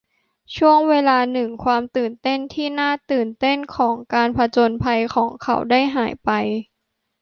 ช่วงเวลาหนึ่งความตื่นเต้นที่น่าตื่นเต้นของการผจญภัยของเขาได้หายไป